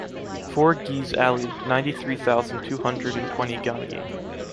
four Guise alley, ninety three thousand two hundred and twenty Gagny